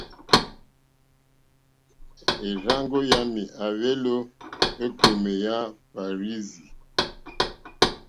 E rzàŋgo yami a hweli o ekome ya Parirzi.